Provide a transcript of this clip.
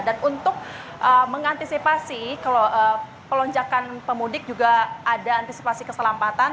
dan untuk mengantisipasi kalau pelonjakan pemudik juga ada antisipasi keselamatan